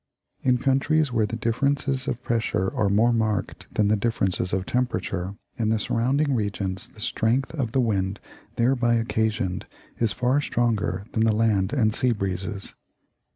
In countries where the differences of pressure are more marked than the differences of temperature, in the surrounding regions the strength of the wind thereby occasioned is far stronger than the land and sea breezes.